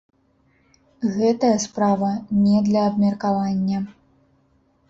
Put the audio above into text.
Гэтая справа не для абмеркавання.